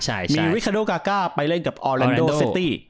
มีวิคาโดกาก้าไปเล่นกับออเลนโดเซตี้